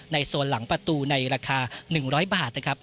โซนหลังประตูในราคา๑๐๐บาทนะครับ